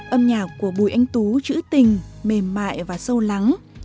âm nhạc của bùi anh tú chữ tình mềm mại và sâu lắng